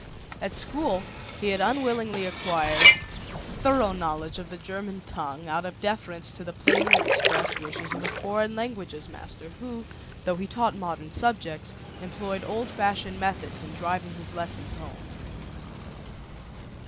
At school he had unwillingly acquired a thorough knowledge of the German tongue out of deference to the plainly expressed wishes of a foreign languages master, who, though he taught modern subjects, employed old fashioned methods in driving his lessons home.